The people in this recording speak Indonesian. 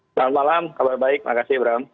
selamat malam kabar baik makasih bram